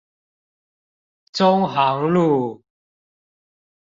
中航路